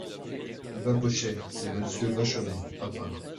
Babochet C'est Monsieur Vachonnet ! à part.